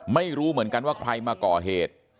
ไม่รู้เหมือนกันว่าใครมาก่อเหตุ